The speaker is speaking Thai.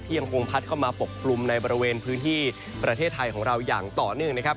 ยังคงพัดเข้ามาปกกลุ่มในบริเวณพื้นที่ประเทศไทยของเราอย่างต่อเนื่องนะครับ